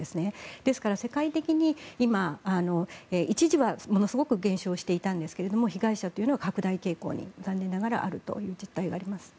ですから、世界的に今、一時はものすごく減少していたんですが被害者というのは拡大傾向に残念ながらあるという実態があります。